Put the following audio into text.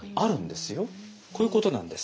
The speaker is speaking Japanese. こういうことなんです。